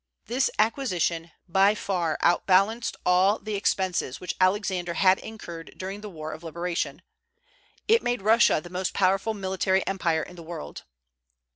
This acquisition by far outbalanced all the expenses which Alexander had incurred during the war of liberation. It made Russia the most powerful military empire in the world.